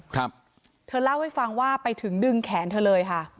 ครับเธอเล่าให้ฟังว่าไปถึงดึงแขนเธอเลยค่ะ